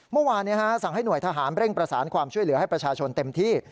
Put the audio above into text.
เมื่อวานสั่งให้หน่วยทหารเร่งประสานความช่วยเหลือให้ประชาชนเต็มที่